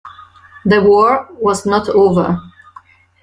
The war was not over.